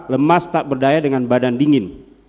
lemas tak berdaya dengan badan dingin